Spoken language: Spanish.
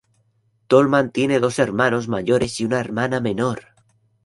Tolman tiene dos hermanos mayores y una hermana menor.